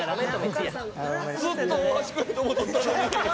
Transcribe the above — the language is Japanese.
ずっと大橋くんと思うとったのに。